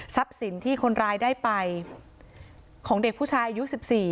ทรัพย์สินที่คนรายได้ไปของเด็กผู้ชายอายุสิบสี่